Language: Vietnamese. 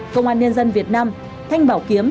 công an nhân dân việt nam thanh bảo kiếm